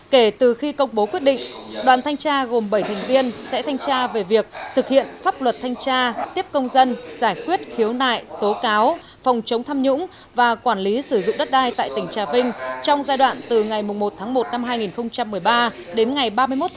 kể từ khi công bố quyết định đoàn thanh tra gồm bảy thành viên sẽ thanh tra về việc thực hiện pháp luật thanh tra tiếp công dân giải quyết khiếu nại tố cáo phòng chống tham nhũng và quản lý sử dụng đất đai tại tỉnh trà vinh trong giai đoạn từ ngày một một hai nghìn một mươi ba đến ngày ba mươi một một mươi hai hai nghìn một mươi bảy